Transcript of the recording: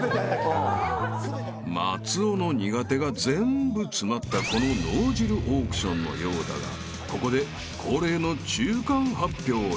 ［松尾の苦手が全部詰まったこの脳汁オークションのようだがここで恒例の中間発表へ］